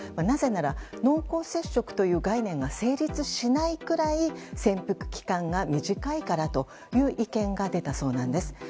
なぜなら、濃厚接触という概念が成立しないくらい潜伏期間が短いからという意見が出たそうなんです。